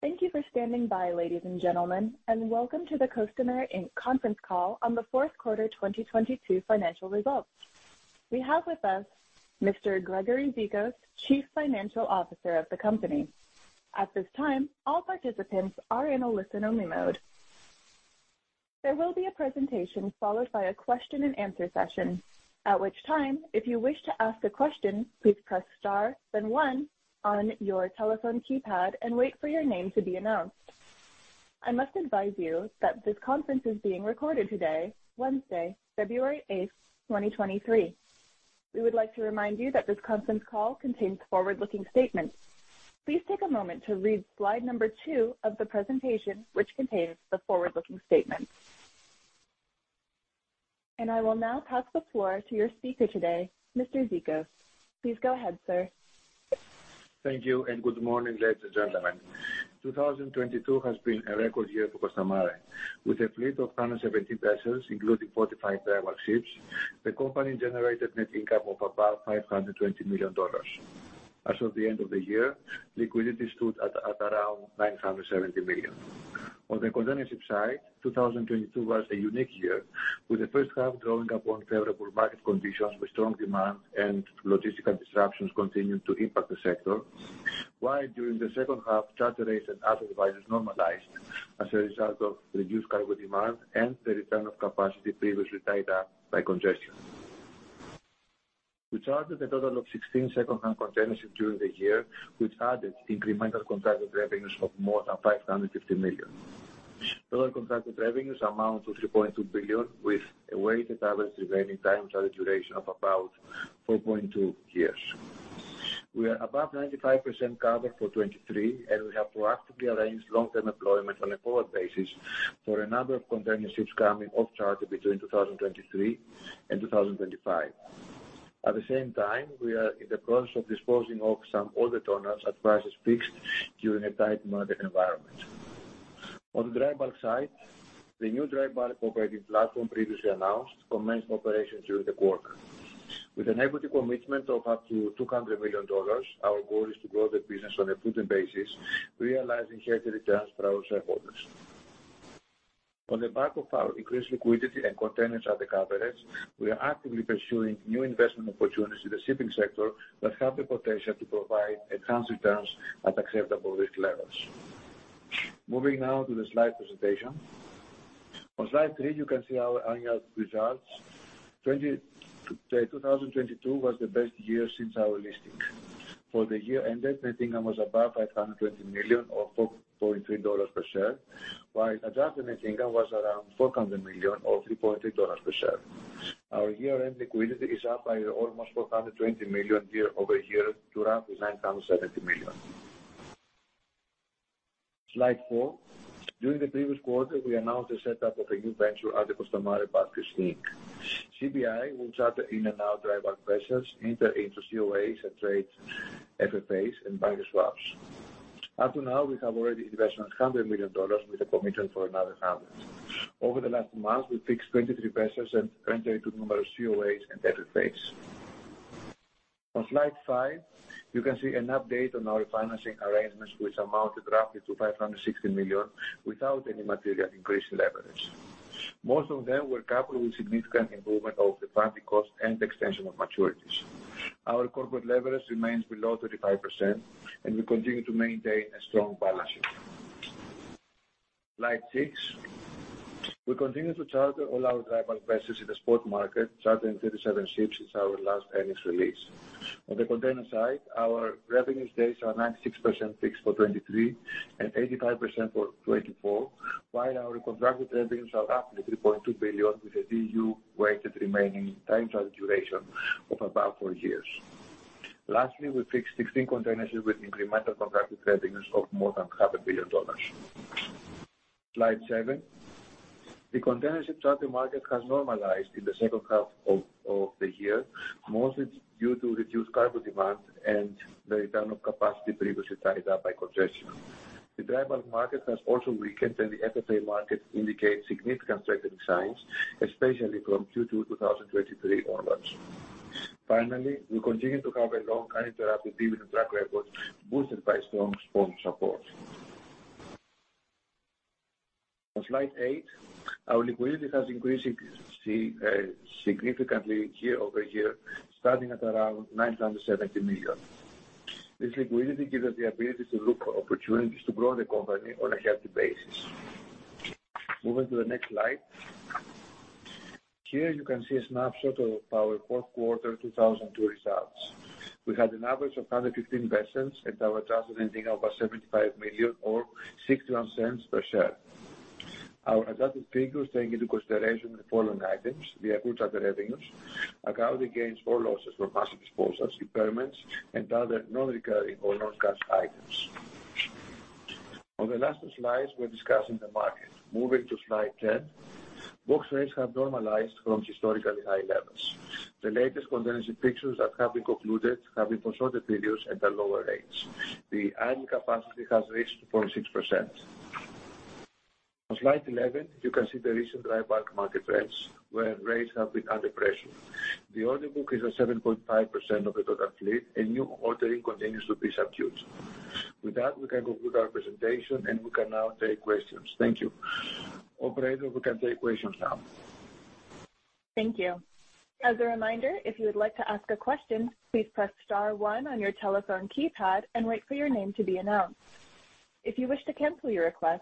Thank you for standing by, ladies and gentlemen, welcome to the Costamare Inc. conference call on the fourth quarter 2022 financial results. We have with us Mr. Gregory Zikos, Chief Financial Officer of the company. At this time, all participants are in a listen-only mode. There will be a presentation followed by a question and answer session. At which time, if you wish to ask a question, please press star then one on your telephone keypad and wait for your name to be announced. I must advise you that this conference is being recorded today, Wednesday, February eighth, 2023. We would like to remind you that this conference call contains forward-looking statements. Please take a moment to read slide number 2 of the presentation, which contains the forward-looking statements. I will now pass the floor to your speaker today, Mr. Zikos. Please go ahead, sir. Thank you, and good morning, ladies and gentlemen. 2022 has been a record year for Costamare. With a fleet of 117 vessels, including 45 dry bulk ships, the company generated net income of about $520 million. As of the end of the year, liquidity stood at around $970 million. On the containership side, 2022 was a unique year, with the first half drawing upon favorable market conditions with strong demand and logistical disruptions continuing to impact the sector. During the second half, charter rates and other devices normalized as a result of reduced cargo demand and the return of capacity previously tied up by congestion. We chartered a total of 16 second-hand containerships during the year, which added incremental contracted revenues of more than $550 million. Total contracted revenues amount to $3.2 billion, with a weighted average remaining time charter duration of about 4.2 years. We are above 95% covered for 2023. We have to actively arrange long-term deployment on a forward basis for a number of containerships coming off charter between 2023 and 2025. At the same time, we are in the process of disposing off some older tonnages at prices fixed during a tight market environment. On the dry bulk side, the new dry bulk operating platform previously announced commenced operation during the quarter. With an equity commitment of up to $200 million, our goal is to grow the business on a prudent basis, realizing healthy returns for our shareholders. On the back of our increased liquidity and containers under coverage, we are actively pursuing new investment opportunities in the shipping sector that have the potential to provide enhanced returns at acceptable risk levels. Moving now to the slide presentation. On slide three, you can see our annual results. 2022 was the best year since our listing. For the year ended, net income was above $520 million or $4.3 per share, while adjusted net income was around $400 million or $3.3 per share. Our year-end liquidity is up by almost $420 million year-over-year to round to $970 million. Slide four. During the previous quarter, we announced the setup of a new venture under Costamare Bulkers Inc. CBI will charter in and out dry bulk vessels into COAs and trade FFAs and bunker swaps. Up to now, we have already invested $100 million with a commitment for another $100. Over the last month, we fixed 23 vessels and entered into numerous COAs and debit rates. On Slide 5, you can see an update on our financing arrangements, which amounted roughly to $560 million without any material increase in leverage. Most of them were coupled with significant improvement of the funding cost and extension of maturities. Our corporate leverage remains below 35%, and we continue to maintain a strong balance sheet. Slide 6. We continue to charter all our dry bulk vessels in the spot market, chartering 37 ships since our last earnings release. On the container side, our revenue days are 96% fixed for 2023 and 85% for 2024, while our contracted revenues are roughly $3.2 billion, with a TEU-weighted remaining time chart duration of about 4 years. Lastly, we fixed 16 containerships with incremental contracted revenues of more than half a billion dollars. Slide seven. The containership charter market has normalized in the second half of the year, mostly due to reduced cargo demand and the return of capacity previously tied up by congestion. The dry bulk market has also weakened, and the FFA market indicates significant strengthening signs, especially from Q2 2023 onwards. Finally, we continue to have a long, uninterrupted dividend track record boosted by strong spot support. On slide eight, our liquidity has increased significantly year-over-year, starting at around $970 million. This liquidity gives us the ability to look for opportunities to grow the company on a healthy basis. Moving to the next slide. Here you can see a snapshot of our fourth quarter 2002 results. We had an average of 115 vessels at our adjusted net income of $75 million or $0.61 per share. Our adjusted figures take into consideration the following items: the accrued charter revenues, accounting gains or losses from passive exposure, impairments, and other non-recurring or non-cash items. On the last two slides, we're discussing the market. Moving to slide 10. Box rates have normalized from historically high levels. The latest containership fixings that have been concluded have been for shorter periods at the lower rates. The annual capacity has reached 0.6%. On slide 11, you can see the recent dry bulk market trends where rates have been under pressure. The order book is at 7.5% of the total fleet and new ordering continues to be subdued. With that, we can conclude our presentation and we can now take questions. Thank you. Operator, we can take questions now. Thank you. As a reminder, if you would like to ask a question, please press star 1 on your telephone keypad and wait for your name to be announced. If you wish to cancel your request,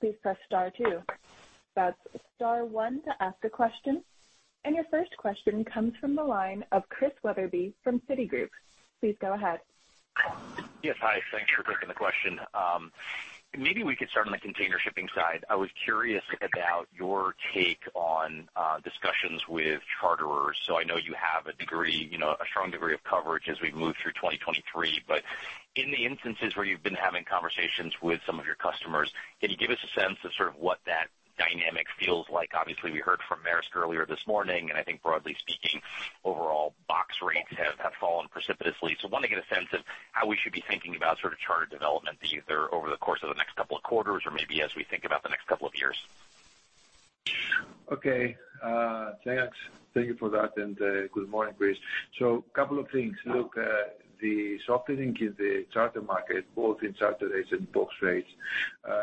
please press star 2. That's star 1 to ask a question. Your first question comes from the line of Chris Wetherbee from Citigroup. Please go ahead. Yes. Hi. Thanks for taking the question. Maybe we could start on the container shipping side. I was curious about your take on discussions with charterers. I know you have a degree, you know, a strong degree of coverage as we move through 2023, but in the instances where you've been having conversations with some of your customers, can you give us a sense of sort of what that dynamic feels like? Obviously, we heard from Maersk earlier this morning, and I think broadly speaking, overall box rates have fallen precipitously. I want to get a sense of how we should be thinking about sort of charter development, either over the course of the next couple of quarters or maybe as we think about the next couple of years. Okay. Thanks. Thank you for that and good morning, Chris. Couple of things. Look, the softening in the charter market, both in charter rates and box rates,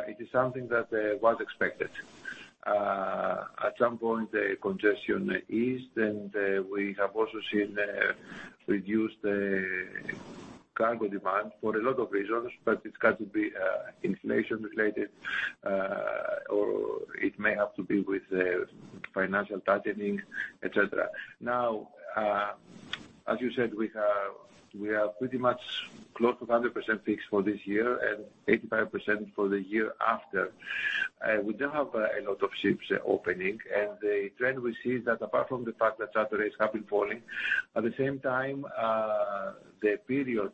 it is something that was expected. At some point the congestion eased and we have also seen reduced cargo demand for a lot of reasons, but it's got to be inflation related, or it may have to be with financial tightening, et cetera. Now, as you said, we have, we are pretty much close to 100% fixed for this year and 85% for the year after. We don't have a lot of ships opening and the trend we see is that apart from the fact that charter rates have been falling, at the same time, the period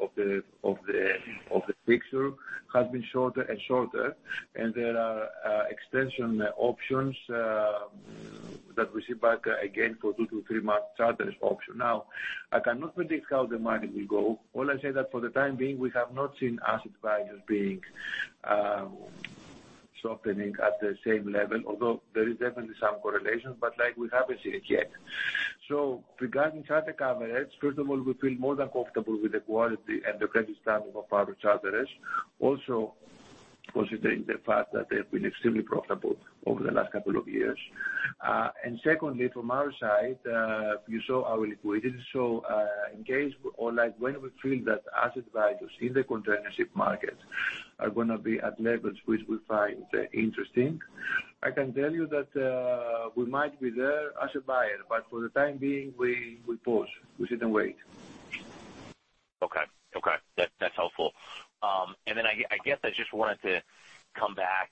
of the fixture has been shorter and shorter and there are extension options that we see back again for 2-3 month charters option. I cannot predict how the market will go. All I say that for the time being we have not seen asset values being softening at the same level although there is definitely some correlation but like we haven't seen it yet. Regarding charter coverage, first of all we feel more than comfortable with the quality and the credit standing of our charterers also considering the fact that they've been extremely profitable over the last couple of years. Secondly, from our side, you saw our liquidity. So, in case or like when we feel that asset values in the containership market are gonna be at levels which we find interesting, I can tell you that we might be there as a buyer, but for the time being, we pause. We sit and wait. Okay. Okay. That's helpful. Then I guess I just wanted to come back,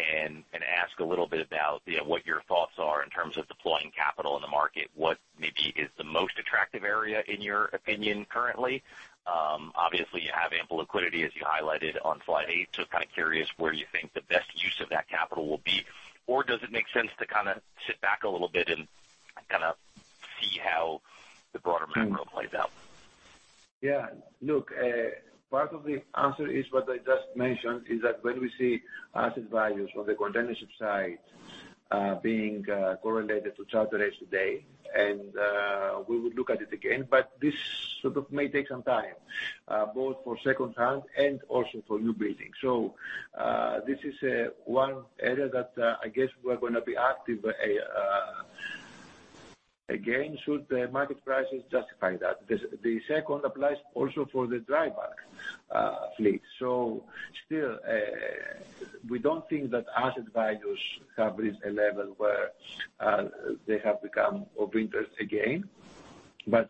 and ask a little bit about, you know, what your thoughts are in terms of deploying capital in the market. What maybe is the most attractive area in your opinion currently? Obviously you have ample liquidity as you highlighted on slide 8. Kind of curious where you think the best use of that capital will be or does it make sense to kinda sit back a little bit and kinda see how the broader macro plays out? Look, part of the answer is what I just mentioned is that when we see asset values on the containership side, being correlated to charter rates today and, we will look at it again. This sort of may take some time, both for secondhand and also for new building. This is one area that I guess we're gonna be active again should the market prices justify that. The second applies also for the dry bulk fleet. Still, we don't think that asset values have reached a level where they have become of interest again.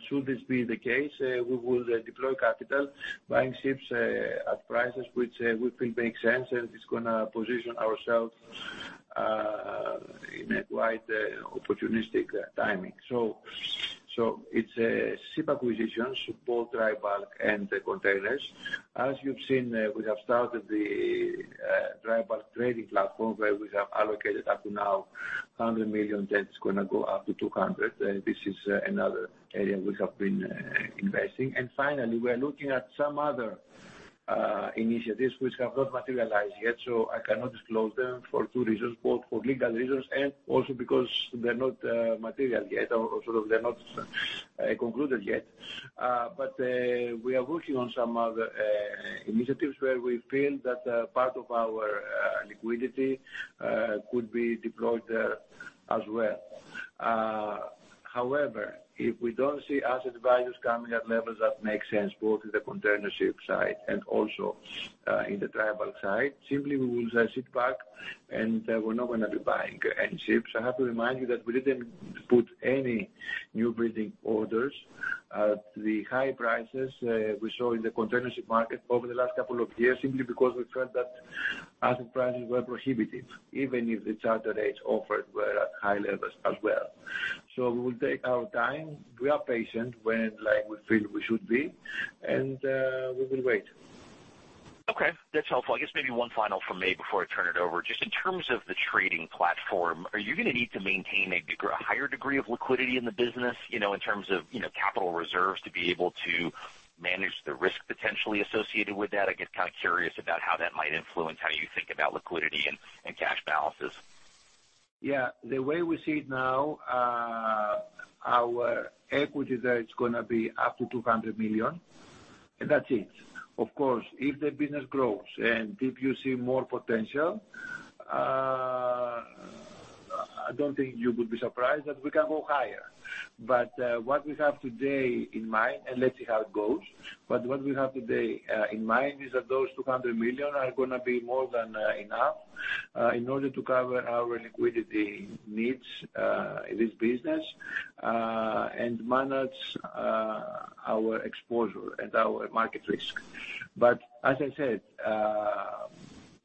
Should this be the case, we will deploy capital buying ships at prices which we think make sense and it's gonna position ourselves in a quite opportunistic timing. It's ship acquisitions, both dry bulk and the containers. As you've seen, we have started the dry bulk trading platform where we have allocated up to now $100 million that is gonna go up to $200 million. This is another area we have been investing. Finally, we are looking at some other initiatives which have not materialized yet, so I cannot disclose them for 2 reasons, both for legal reasons and also because they're not material yet or sort of they're not concluded yet. We are working on some other initiatives where we feel that part of our liquidity could be deployed there as well. If we don't see asset values coming at levels that make sense both in the containership side and also in the dry bulk side, simply we will just sit back and we're not gonna be buying any ships. I have to remind you that we didn't put any new building orders at the high prices we saw in the containership market over the last couple of years simply because we felt that asset prices were prohibitive even if the charter rates offered were at high levels as well. We will take our time. We are patient when like we feel we should be and we will wait. Okay. That's helpful. I guess maybe one final from me before I turn it over. Just in terms of the trading platform, are you gonna need to maintain a higher degree of liquidity in the business, you know, in terms of, you know, capital reserves to be able to manage the risk potentially associated with that? I get kind of curious about how that might influence how you think about liquidity and cash balances. Yeah. The way we see it now, our equity there is gonna be up to $200 million and that's it. Of course, if the business grows and if you see more potential, I don't think you would be surprised that we can go higher. What we have today in mind, and let's see how it goes. What we have today, in mind is that those $200 million are gonna be more than enough, in order to cover our liquidity needs, this business, and manage our exposure and our market risk. As I said,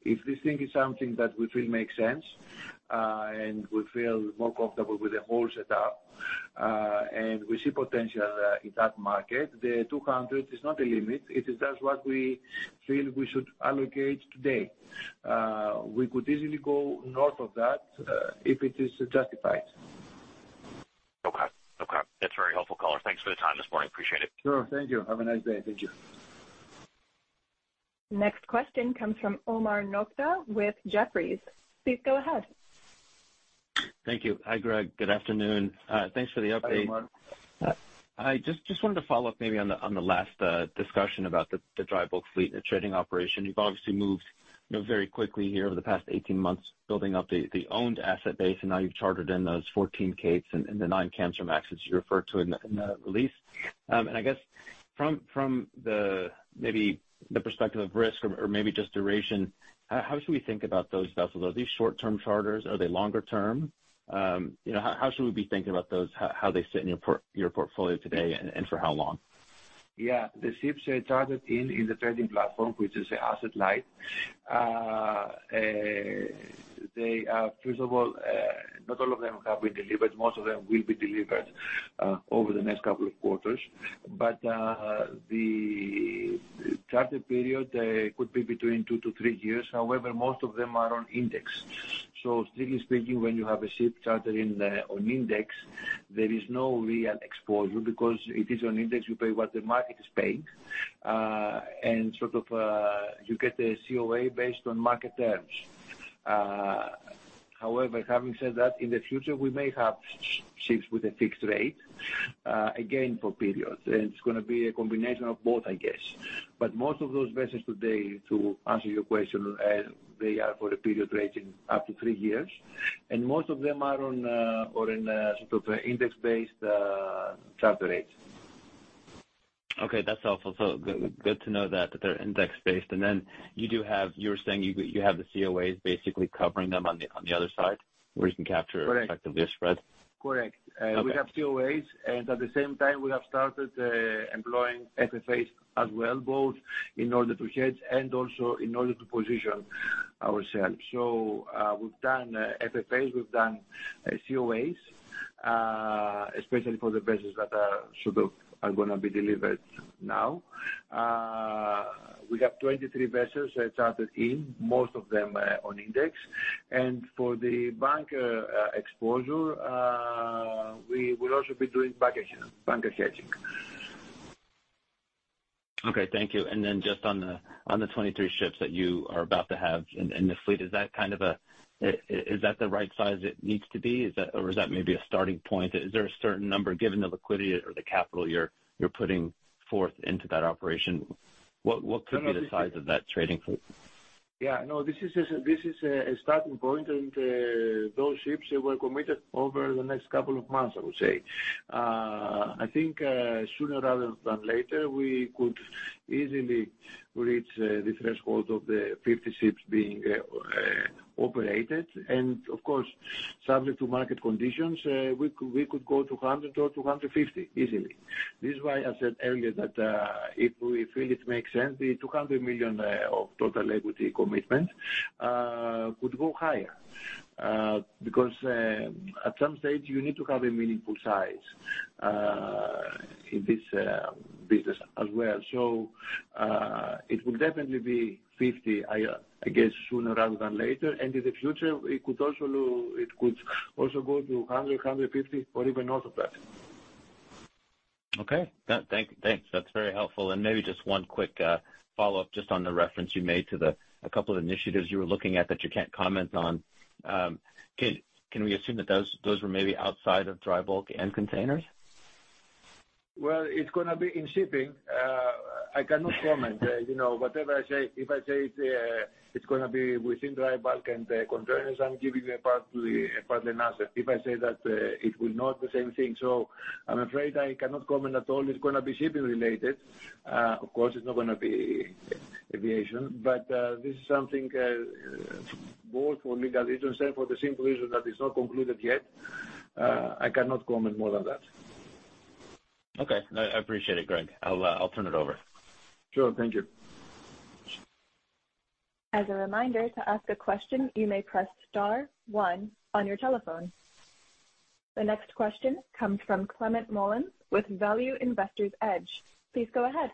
if this thing is something that we feel makes sense, and we feel more comfortable with the whole setup, and we see potential, in that market, the $200 is not a limit, it is just what we feel we should allocate today. We could easily go north of that, if it is justified. Okay. Okay, that's very helpful, caller. Thanks for the time this morning. Appreciate it. Sure. Thank you. Have a nice day. Thank you. Next question comes from Omar Nokta with Jefferies. Please go ahead. Thank you. Hi, Greg. Good afternoon. Thanks for the update. Hi, Omar. I just wanted to follow up maybe on the last discussion about the dry bulk fleet and the trading operation. You've obviously moved, you know, very quickly here over the past 18 months, building up the owned asset base, and now you've chartered in those 14 Capes and the nine Panamax that you referred to in the release. I guess from the maybe the perspective of risk or maybe just duration, how should we think about those vessels? Are these short-term charters? Are they longer-term? You know, how should we be thinking about those, how they sit in your portfolio today and for how long? Yeah. The ships are chartered in in the trading platform, which is asset light. They are first of all, not all of them have been delivered. Most of them will be delivered over the next couple of quarters. The charter period could be between two to three years. However, most of them are on index. Strictly speaking, when you have a ship chartered in the, on index, there is no real exposure because it is on index you pay what the market is paying, and sort of, you get a COA based on market terms. However, having said that, in the future we may have ships with a fixed rate, again for periods, and it's gonna be a combination of both I guess. Most of those vessels today, to answer your question, they are for a period ranging up to 3 years and most of them are on, or in, sort of index-based, charter rates. Okay, that's helpful. Good to know that they're index-based. You were saying you have the COAs basically covering them on the other side where you can capture- Correct. effectively a spread. Correct. Okay. We have COAs and at the same time we have started employing FFAs as well, both in order to hedge and also in order to position ourselves. We've done FFAs, we've done COAs, especially for the vessels that are sort of, are going to be delivered now. We have 23 vessels chartered in, most of them on index. For the bunker exposure, we will also be doing bunker hedging. Okay. Thank you. Just on the 23 ships that you are about to have in the fleet, is that kind of a... Is that the right size it needs to be? Is that or is that maybe a starting point? Is there a certain number given the liquidity or the capital you're putting forth into that operation? What could be the size of that trading fleet? Yeah. No. This is a starting point. Those ships were committed over the next couple of months I would say. I think sooner rather than later, we could easily reach the threshold of the 50 ships being operated. Of course, subject to market conditions, we could go to 100 or 250 easily. This is why I said earlier that if we feel it makes sense, the $200 million of total equity commitment could go higher because at some stage you need to have a meaningful size in this business as well. It will definitely be 50, I guess sooner rather than later. In the future it could also go to a 100, 150 or even north of that. Okay. Thanks. That's very helpful. Maybe just one quick follow-up just on the reference you made to the, a couple of initiatives you were looking at that you can't comment on. Can we assume that those were maybe outside of dry bulk and containers? Well, it's gonna be in shipping. I cannot comment. You know, whatever I say, if I say it's gonna be within dry bulk and containers, I'm giving partly an answer. If I say that, it will not be same thing. I'm afraid I cannot comment at all. It's gonna be shipping related. Of course, it's not gonna be aviation. This is something, both for legal reasons and for the simple reason that it's not concluded yet, I cannot comment more than that. Okay. I appreciate it, Greg. I'll turn it over. Sure. Thank you. As a reminder, to ask a question, you may press star one on your telephone. The next question comes from Clement Mullins with Value Investors Edge. Please go ahead.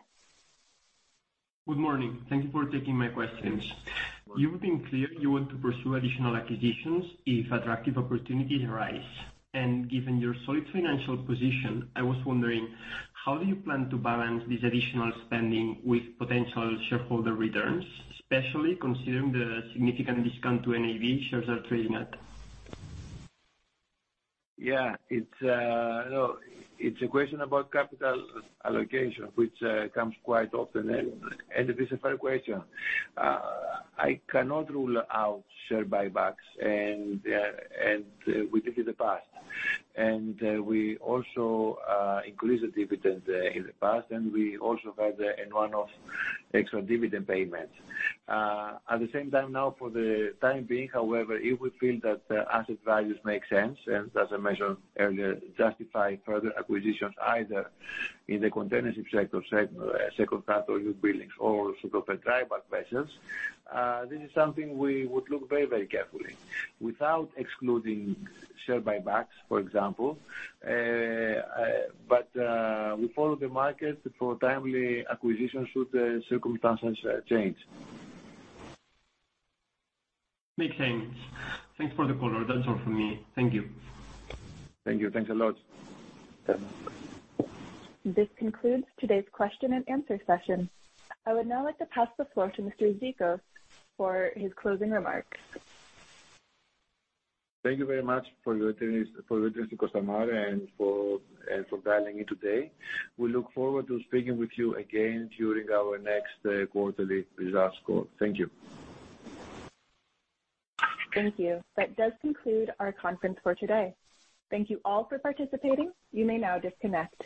Good morning. Thank you for taking my questions. You've been clear you want to pursue additional acquisitions if attractive opportunities arise. Given your solid financial position, I was wondering, how do you plan to balance this additional spending with potential shareholder returns, especially considering the significant discount to NAV shares are trading at? Yeah. It's no. It's a question about capital allocation which comes quite often, and it is a fair question. I cannot rule out share buybacks, and we did it in the past. We also increased the dividend in the past, and we also had a one-off extra dividend payment. At the same time now for the time being, however, if we feel that asset values make sense, and as I mentioned earlier, justify further acquisitions either in the containership sector, second part or used buildings or sort of dry bulk vessels, this is something we would look very, very carefully without excluding share buybacks, for example. We follow the market for timely acquisitions should the circumstances change. Makes sense. Thanks for the call. That's all from me. Thank you. Thank you. Thanks a lot. This concludes today's question and answer session. I would now like to pass the floor to Mr. Zikos for his closing remarks. Thank you very much for your interest in Costamare and for dialing in today. We look forward to speaking with you again during our next quarterly results call. Thank you. Thank you. That does conclude our conference for today. Thank you all for participating. You may now disconnect.